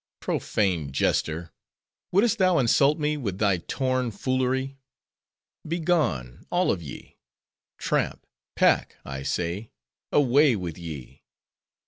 '" "Profane jester! Would'st thou insult me with thy torn foolery? Begone—all of ye! tramp! pack! I say: away with ye!"